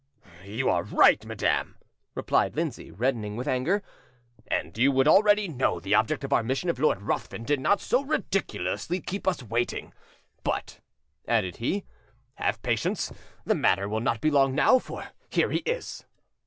"You are right, madam," replied Lindsay, reddening with anger, "and you would already know the object of our mission if Lord Ruthven did not so ridiculously keep us waiting. But," added he, "have patience; the matter will not be long now, for here he is."